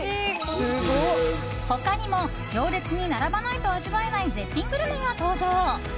他にも行列に並ばないと味わえない絶品グルメが登場。